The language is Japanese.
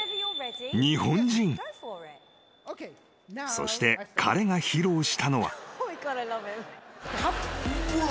［そして彼が披露したのは］